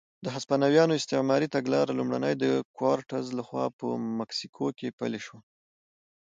د هسپانویانو استعماري تګلاره لومړی د کورټز لخوا په مکسیکو کې پلې شوه.